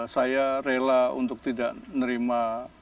saya rela untuk tidak nerima